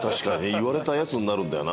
言われたやつになるんだよな。